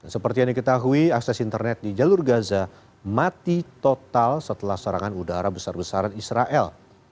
seperti yang diketahui akses internet di jalur gaza mati total setelah serangan udara besar besaran israel